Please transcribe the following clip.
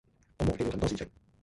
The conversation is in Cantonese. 我忘記了很多事情